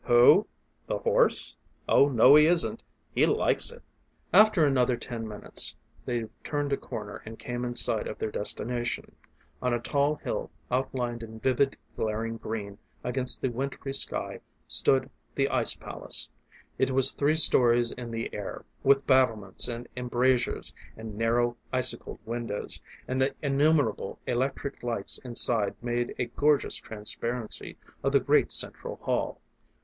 "Who? The horse? Oh, no, he isn't. He likes it!" After another ten minutes they turned a corner and came in sight of their destination. On a tall hill outlined in vivid glaring green against the wintry sky stood the ice palace. It was three stories in the air, with battlements and embrasures and narrow icicled windows, and the innumerable electric lights inside made a gorgeous transparency of the great central hall.